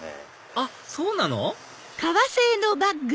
あっそうなの？